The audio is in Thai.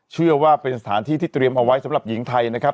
เชื่อว่าเป็นสถานที่ที่เตรียมเอาไว้สำหรับหญิงไทยนะครับ